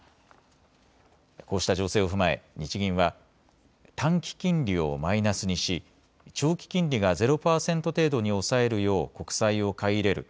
こうした情勢を踏まえ日銀は短期金利をマイナスにし長期金利がゼロ％程度に抑えるよう国債を買い入れる